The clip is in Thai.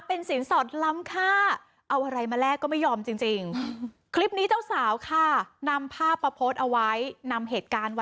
เป็นแรงบันดา